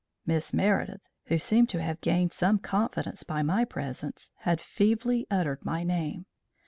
Miss Meredith, who seemed to have gained some confidence by my presence, had feebly uttered my name.